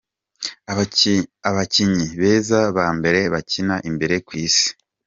Abakinyi beza ba mbere bakina imbere kw'isi?.